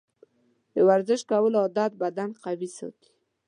د ورزش کولو عادت بدن قوي ساتي.